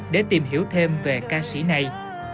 để tìm hiểu thêm về ca sĩ này